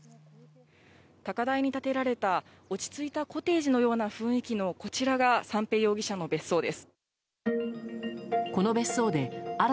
高台に建てられた、落ち着いたコテージのような雰囲気のこちらが三瓶容疑者の別荘です。